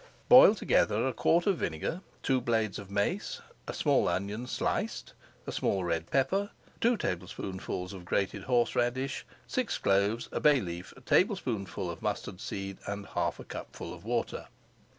Boil together a quart of vinegar, two blades of mace, a small onion sliced, a small red pepper, two tablespoonfuls of grated horse radish, six cloves, a bay leaf, a tablespoonful of mustard seed, and half a cupful of water.